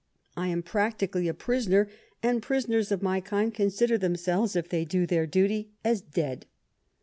I am practically a prisoner, and prisoners of my kind consider themselves, if they do their duty, as dead."